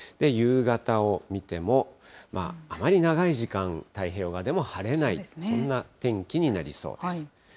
夕方を見ても、あまり長い時間、太平洋側でも晴れない、そんな天気になりそうです。